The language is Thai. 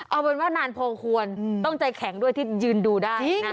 เอาเป็นว่านานพอควรต้องใจแข็งด้วยที่ยืนดูได้นะคะ